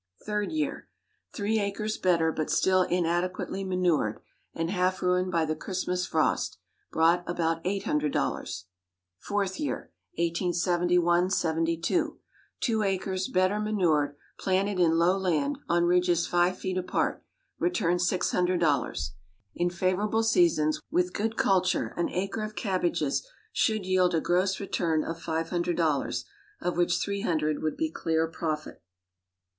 Third Year. Three acres better, but still inadequately manured, and half ruined by the Christmas frost: brought about eight hundred dollars. Fourth Year (1871 72.) Two acres better manured; planted in low land, on ridges five feet apart: returned six hundred dollars. In favorable seasons, with good culture, an acre of cabbages should yield a gross return of five hundred dollars, of which three hundred would be clear profit.